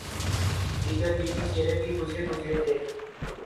دیگر لیگی چہرے بھی بجھے بجھے تھے۔